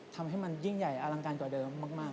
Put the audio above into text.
ทำให้มันยิ่งใหญ่อลังการกว่าเดิมมาก